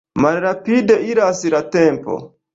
Malrapide iras la tempo.